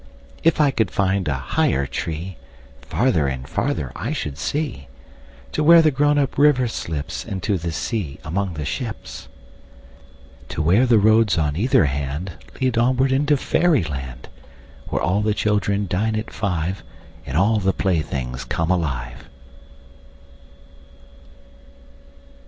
If I could find a higher treeFarther and farther I should see, To where the grown up river slipsInto the sea among the ships. To where the roads on either handLead onward into fairy land, Where all the children dine at five, And all the playthings come alive.